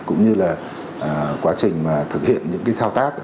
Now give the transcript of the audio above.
cũng như là quá trình mà thực hiện những cái thao tác